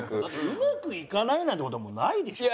うまくいかないなんて事はもうないでしょ？